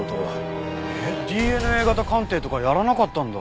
えっＤＮＡ型鑑定とかやらなかったんだ。